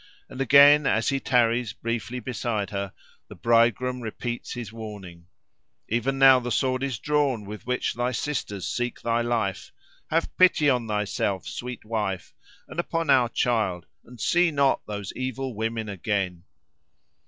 And again, as he tarries briefly beside her, the bridegroom repeats his warning: "Even now the sword is drawn with which thy sisters seek thy life. Have pity on thyself, sweet wife, and upon our child, and see not those evil women again."